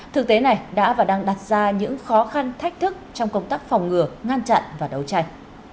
thực tế này đã và đang đặt ra những khó khăn thách thức trong công tác phòng ngừa ngăn chặn và đấu tranh